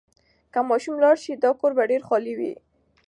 که ماشوم لاړ شي، دا کور به ډېر خالي وي.